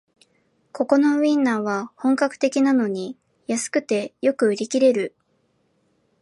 ここのウインナーは本格的なのに安くてよく売り切れる